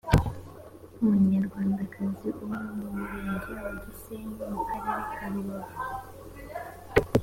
umunyarwandakazi uba mu murenge wa gisenyi mu karere ka rubavu